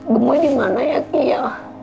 gemoy dimana ya kik ya